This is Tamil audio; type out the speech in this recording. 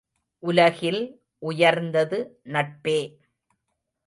உலகில் உயர்ந்தது நட்பே!